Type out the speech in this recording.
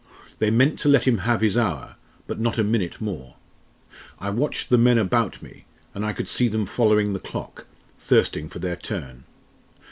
They meant to let him have his hour but not a minute more. I watched the men about me, and I could see them following the clock thirsting for their turn.